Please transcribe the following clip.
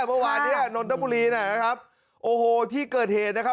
เมื่อวานเนี้ยนนทบุรีนะครับโอ้โหที่เกิดเหตุนะครับ